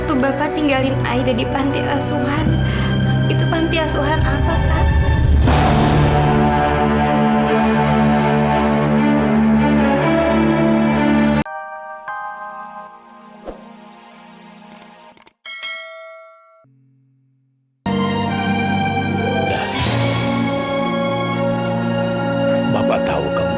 terima kasih pak